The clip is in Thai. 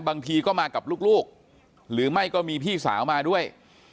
บางทีก็มากับลูกหรือไม่ก็มีพี่สาวมาด้วย